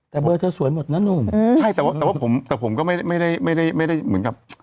แต่เบอร์เธอสวยหมดนะหนู